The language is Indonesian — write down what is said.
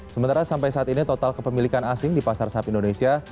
sementara sampai saat ini total kepemilikan asing di pasar sahab indonesia